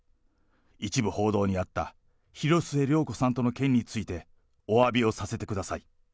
一部報道にあった広末涼子さんとの件について、おわびをさせてください。